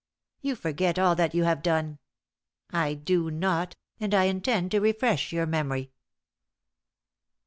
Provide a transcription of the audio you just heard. You forget all that you have done. I do not; and I intend to refresh your memory."